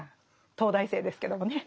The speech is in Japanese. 東大生ですけどもね。